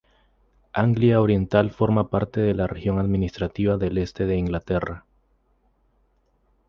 Anglia Oriental forma parte de la región administrativa del Este de Inglaterra.